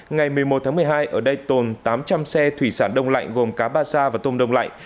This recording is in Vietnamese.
ngày một mươi một tháng một mươi hai ở đây tồn tám trăm linh xe thủy sản đông lạnh gồm cá ba sa và tôm đông lạnh